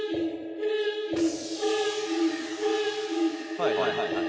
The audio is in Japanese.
「はいはいはいはい。